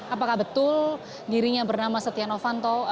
apakah betul dirinya bernama setia novanto